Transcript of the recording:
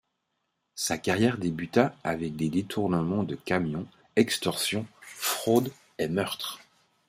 Sa carrière débuta avec des détournements de camions, extorsions, fraude et meurtres.